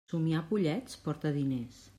Somiar pollets porta diners.